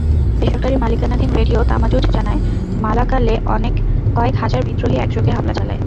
বেসরকারি মালিকানাধীন radio Tamazuj জানায়, মালাকালে কয়েক হাজার বিদ্রোহী একযোগে হামলা চালায়।